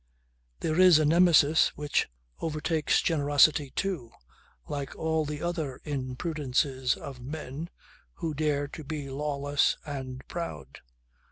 There is a Nemesis which overtakes generosity too, like all the other imprudences of men who dare to be lawless and proud